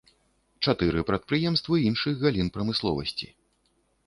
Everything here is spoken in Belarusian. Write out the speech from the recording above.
Чатыры прадпрыемствы іншых галін прамысловасці.